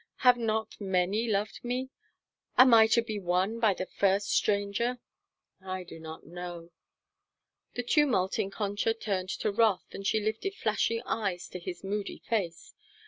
Have not many loved me? Am I to be won by the first stranger?" "I do not know." The tumult in Concha turned to wrath, and she lifted flashing eyes to his moody face.